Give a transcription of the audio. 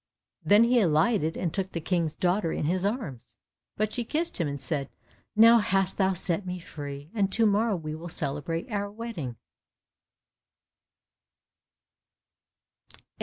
* Then he alighted and took the King's daughter in his arms, but she kissed him and said, "Now hast thou set me free, and to morrow we will celebrate our wedding."